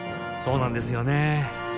そうなんですよね